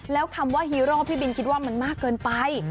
แล้วคำว่าฮีโร่พี่บินคิดว่ามันมากเกินไป